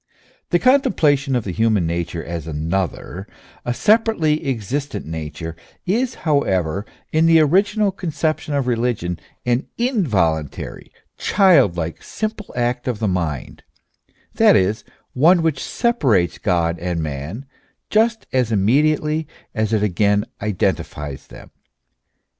The contemplation of the human nature as another, a se parately existent nature, is, however, in the original conception of religion an involuntary, childlike, simple act of the mind, that is, one which separates God and man just as immediately as it again identifies them.